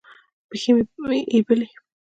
پښې مې یبلي